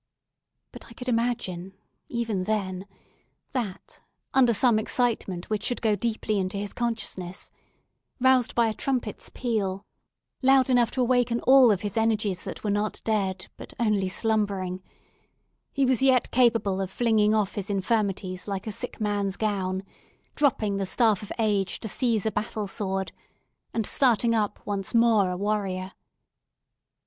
But I could imagine, even then, that, under some excitement which should go deeply into his consciousness—roused by a trumpet's peal, loud enough to awaken all of his energies that were not dead, but only slumbering—he was yet capable of flinging off his infirmities like a sick man's gown, dropping the staff of age to seize a battle sword, and starting up once more a warrior.